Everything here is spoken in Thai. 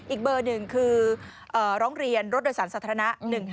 อีกเบอร์หนึ่งคือร้องเรียนรถโดยสารสาธารณะ๑๕